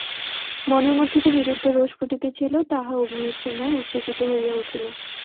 মনের মধ্যে যে নিরুদ্ধ রোষ ফুটিতেছিল, তাহা অগ্নি-উৎসের ন্যায় উচ্ছ্বসিত হইয়া উঠিল।